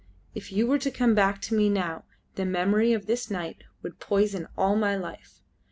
If you were to come back to me now, the memory of this night would poison all my life.